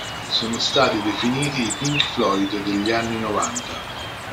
Sono stati definiti "i Pink Floyd degli anni novanta".